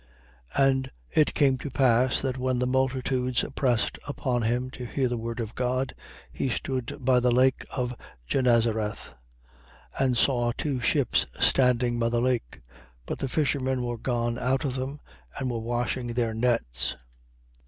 5:1. And it came to pass, that when the multitudes pressed upon him to hear the word of God, he stood by the lake of Genesareth, 5:2. And saw two ships standing by the lake: but the fishermen were gone out of them and were washing their nets.